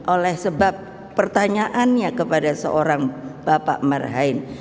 oleh sebab pertanyaannya kepada seorang bapak marhain